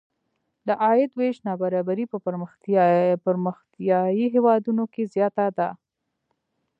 د عاید وېش نابرابري په پرمختیايي هېوادونو کې زیاته ده.